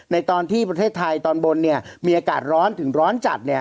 ตอนที่ประเทศไทยตอนบนมีอากาศร้อนถึงร้อนจัด